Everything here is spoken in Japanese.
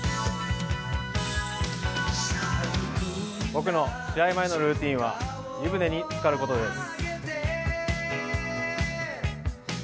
僕の試合前のルーチンは、湯船につかることです。